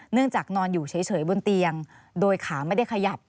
เนื่องจากนอนอยู่เฉยบนเตียงโดยขาไม่ได้ขยับ